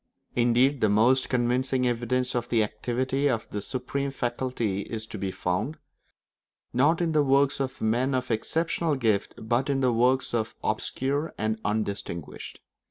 Indeed the most convincing evidence of the activity of this supreme faculty is to be found, not in the works of men of exceptional gift, but in the work of the obscure and undistinguished.